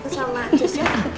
sama jus ya